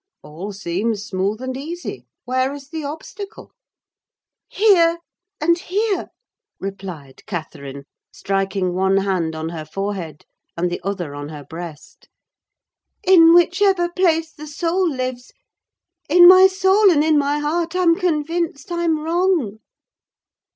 All seems smooth and easy: where is the obstacle?" "Here! and here!" replied Catherine, striking one hand on her forehead, and the other on her breast: "in whichever place the soul lives. In my soul and in my heart, I'm convinced I'm wrong!"